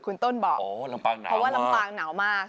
คุณต้นบอกเพราะว่าลำปางหนาวมาก